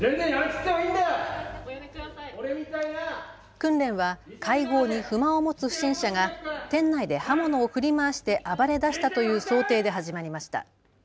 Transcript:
訓練は会合に不満を持つ不審者が店内で刃物を振り回して暴れだしたという想定で始まりました。